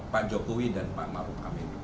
pak jokowi dan pak maru kamil